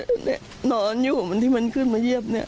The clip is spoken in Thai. จะนอนอยู่เหมือนที่มันขึ้นมาเยี่ยมนี่